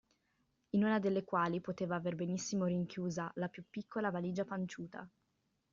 In una delle quali poteva aver benissimo rinchiusa la più piccola valigia panciuta.